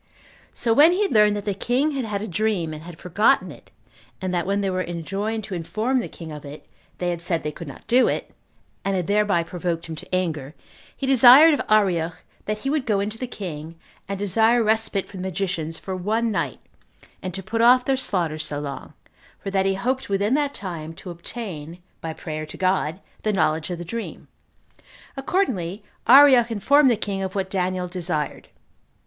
So when he had learned that the king had had a dream, and had forgotten it, and that when they were enjoined to inform the king of it, they had said they could not do it, and had thereby provoked him to anger, he desired of Arioch that he would go in to the king, and desire respite for the magicians for one night, and to put off their slaughter so long, for that he hoped within that time to obtain, by prayer to God, the knowledge of the dream. Accordingly, Arioch informed the king of what Daniel desired.